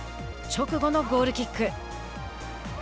直後のゴールキック。